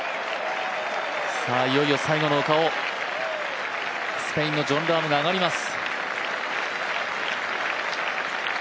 いよいよ最後の丘をスペインのジョン・ラームが上がります。